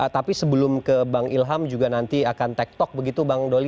tapi sebelum ke bang ilham juga nanti akan tech talk begitu bang doli